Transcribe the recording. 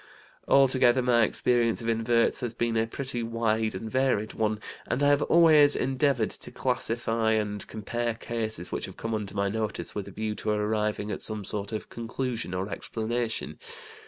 Altogether my experience of inverts has been a pretty wide and varied one, and I have always endeavored to classify and compare cases which have come under my notice with a view to arriving at some sort of conclusion or explanation.